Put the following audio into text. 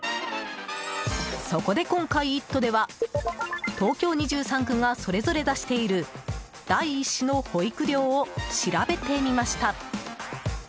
そこで今回、「イット！」では東京２３区がそれぞれ出している第１子の保育料を調べてみました。